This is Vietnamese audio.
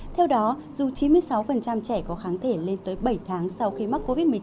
theo đó dù chín mươi sáu trẻ có kháng thể lên tới bảy tháng sau khi mắc covid một mươi chín